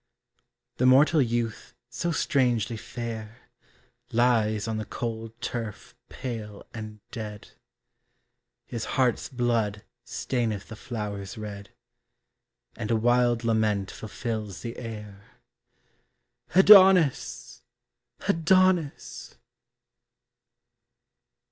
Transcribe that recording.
The mortal youth so strangely fair, Lies on the cold turf pale and dead; His heart's blood staineth the flowers red, And a wild lament fulfills the air, Adonis! Adonis!